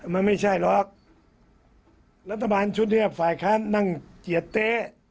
มันไม่ใช่หรอกรัฐบาลชุดนี้ฝ่ายค้านนั่งเจียดเต๊ะ